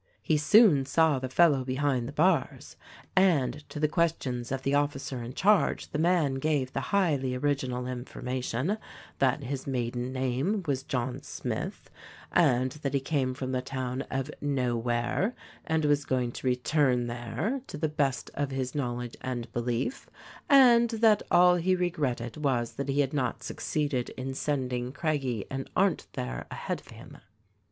He soon saw the fellow behind the bars, and to the questions of the officer in charge the man gave the highly original information that his maiden name was John Smith and that he came from the town of "Nowhere" and was going to return there, to the best of his knowledge and belief — and that all he regretted was that he had not suc ceeded in sending Craggie and Arndt there ahead of him.